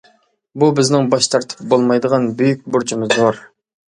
بۇ بىزنىڭ باش تارتىپ بولمايدىغان بۈيۈك بۇرچىمىزدۇر.